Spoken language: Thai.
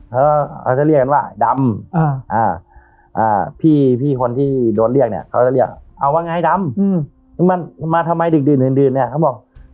เขาจะเรียกกันว่าดำพี่คนที่โดนเรียกเนี่ยเขาจะเรียกเอาว่าไงดำมาทำไมดึกดื่นเนี่ยเขาบอก